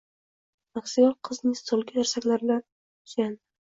Maksuel qizning stoliga tirsaklari bilandi suyandi